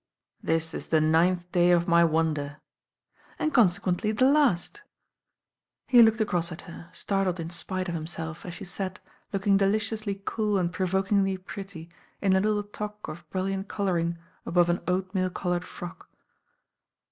"This is the ninth day of my wonder." "And consequently the last." He looked atross at her, startled in si>ite of him self, as she sat, looking deliciously cool and provok ingly pretty, in a little toque of brilliant colouring above an oatmeal coloured frock.